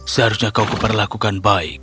seharusnya kau kuperlakukan baik